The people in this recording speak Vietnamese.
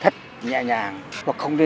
đánh con đấy ạ